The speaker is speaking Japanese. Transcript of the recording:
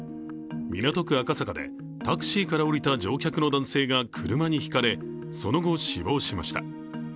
港区・赤坂でタクシーから降りた乗客の男性が車にひかれ、その後、死亡しました。